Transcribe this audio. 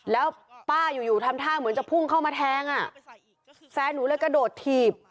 แล้วป้าอยู่อยู่ทำท่าเหมือนจะพุ่งเข้ามาแทงอ่ะแฟนหนูเลยกระโดดถีบ